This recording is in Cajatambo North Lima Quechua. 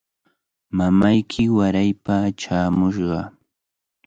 Mamayki waraypa chaamushqa.